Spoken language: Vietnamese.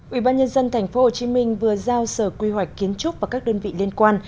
ủy ban nhân dân tp hcm vừa giao sở quy hoạch kiến trúc và các đơn vị liên quan